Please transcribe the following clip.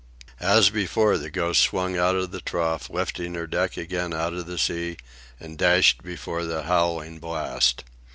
As before, the Ghost swung out of the trough, lifting her deck again out of the sea, and dashed before the howling blast.